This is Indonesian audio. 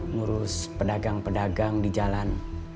ngurus pedagang pedagang di jalan